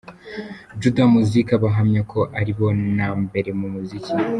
Juda Muzik bahamya ko ari bo na mbere mu muziki.